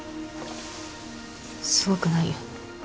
すごくないよ。